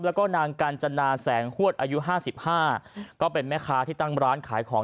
แล้วก็นางกาญจนาแสงฮวดอายุ๕๕ก็เป็นแม่ค้าที่ตั้งร้านขายของ